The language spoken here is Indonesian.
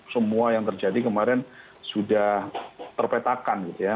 semua yang terjadi kemarin sudah terpetakan gitu ya